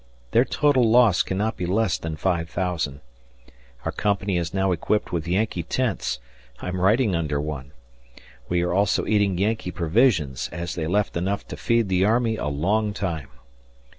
Their total loss cannot be less then 5000. Our company is now equipped with Yankee tents, (I am writing under one). We are also eating Yankee provisions, as they left enough to feed the army a long time